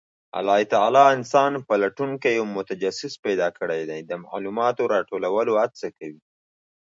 الله تعالی انسان پلټونکی او متجسس پیدا کړی دی، د معلوماتو راټولولو هڅه کوي.